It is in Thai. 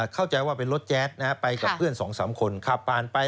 เข้าใจว่าเป็นรถแจ๊ดนะฮะไปกับเพื่อน๒๓คนขับผ่านไป